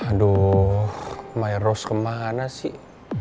aduh my rose kemana sih